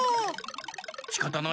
しかたない。